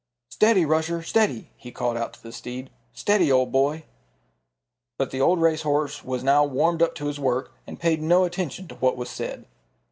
"Steady, Rusher, steady!" he called out to the steed. "Steady, old boy!" But the old race horse was now warmed up to his work and paid no attention to what was said.